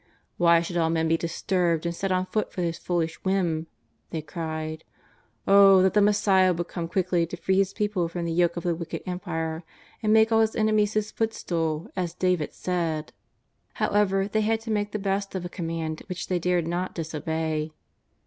" Why should all men be disturbed and set on foot for his foolish whim ?" they cried. '^O, that the Messiah would come quickly to free His people from the yoke of the wicked empire, and make all His enemies His foot stool as David said !" However, they had to make the Ix^st of a command which they dared not disobey.